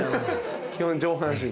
基本上半身。